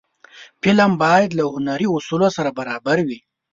فلم باید له هنري اصولو سره برابر وي